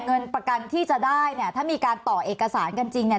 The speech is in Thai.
เงินประกันที่จะได้เนี่ยถ้ามีการต่อเอกสารกันจริงเนี่ย